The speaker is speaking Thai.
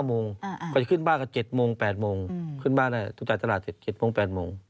๗โมง๘โมงขึ้นบ้านแล้วต้องจ่ายตลาด๗๗โมง๘โมง